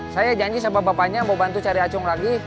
saya janji sama bapaknya mau bantu cari acung lagi